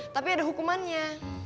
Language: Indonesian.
tapi ada hukumannya